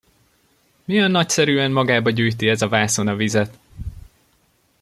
Milyen nagyszerűen magába gyűjti ez a vászon a vizet!